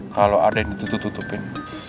kalau ada yang ditutup tutupin